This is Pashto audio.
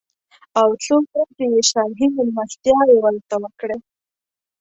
او څو ورځې یې شاهي مېلمستیاوې ورته وکړې.